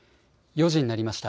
４時になりました。